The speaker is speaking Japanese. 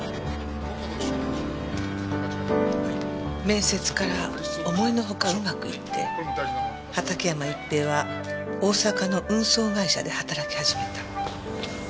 面接から思いのほかうまくいって畑山逸平は大阪の運送会社で働き始めた。